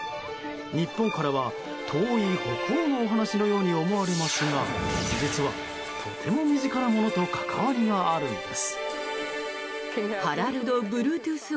日本からは、遠い北欧のお話のように思われますが実は、とても身近なものと関わりがあるんです。